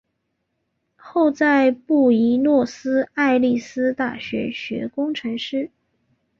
后在布宜诺斯艾利斯大学学工程师。